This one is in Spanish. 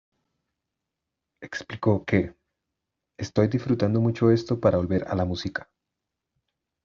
Explicó que "Estoy disfrutando mucho esto para volver a la música.